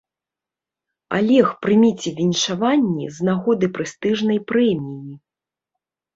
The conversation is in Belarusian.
Алег, прыміце віншаванні з нагоды прэстыжнай прэміі.